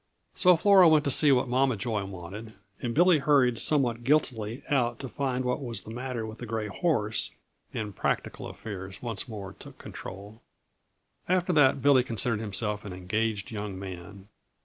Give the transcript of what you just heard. So Flora went to see what Mama Joy wanted, and Billy hurried somewhat guiltily out to find what was the matter with the gray horse, and practical affairs once more took control. After that, Billy considered himself an engaged young man.